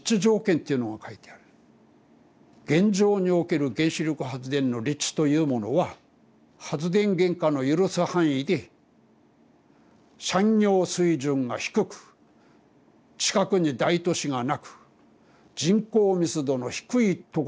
現状における原子力発電の立地というものは発電原価の許す範囲で産業水準が低く近くに大都市がなく人口密度の低いところであること。